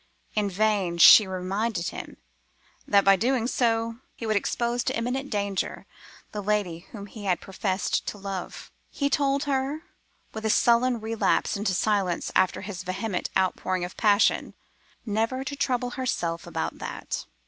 In vain she reminded him that, by so doing, he would expose to imminent danger the lady whom he had professed to love. He told her, with a sullen relapse into silence after his vehement outpouring of passion, never to trouble herself about that.